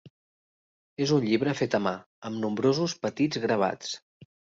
És un llibre fet a mà amb nombrosos petits gravats.